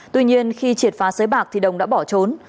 tuy nhiên khi triệt phá sới bạc thì đồng đã bỏ trốn